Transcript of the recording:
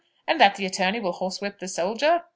and that the attorney will horsewhip the soldier?